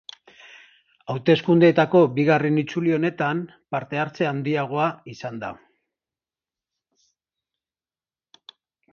Hauteskundeetako bigarren itzuli honetan parte-hartze handiagoa izan da.